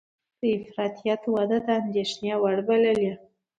د افراطیت وده د اندېښنې وړ بللې